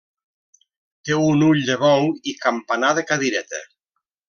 Té un ull de bou i campanar de cadireta.